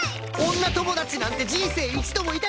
女友達なんて人生一度もいた事ないし！